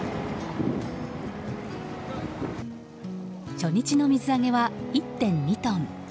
初日の水揚げは、１．２トン。